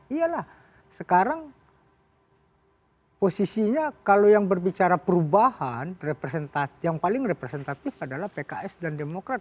iyalah sekarang posisinya kalau yang berbicara perubahan yang paling representatif adalah pks dan demokrat